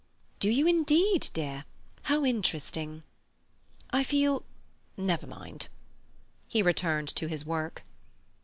"Do you indeed, dear? How interesting!" "I feel—never mind." He returned to his work.